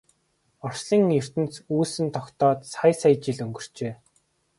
Орчлон ертөнц үүсэн тогтоод сая сая жил өнгөрчээ.